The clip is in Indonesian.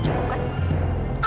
di video selanjutnya